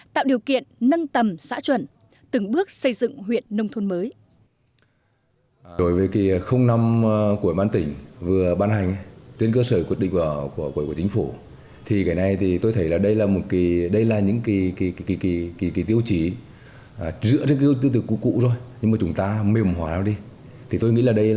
tạo điều kiện nâng tầm xã chuẩn từng bước xây dựng huyện nông thôn mới